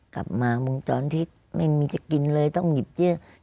กลับมาวงจรที่ไม่มีจะกินเลยต้องหยิบเยอะ